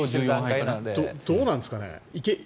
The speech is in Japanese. どうなんですかね。